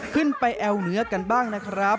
ขึ้นไปแอวเหนือกันบ้างนะครับ